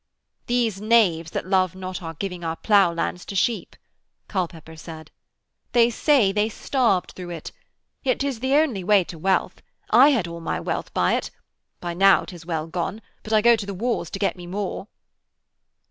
'These knaves that love not our giving our ploughlands to sheep,' Culpepper said. 'They say they starved through it. Yet 'tis the only way to wealth. I had all my wealth by it. By now 'tis well gone, but I go to the wars to get me more.'